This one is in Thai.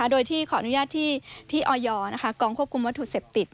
โดยที่ขออนุญาตที่ออยกองควบคุมวัตถุเสพติด